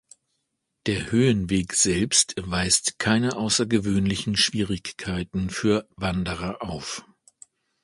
Der Höhenweg selbst weist keine außergewöhnlichen Schwierigkeiten für Wanderer auf.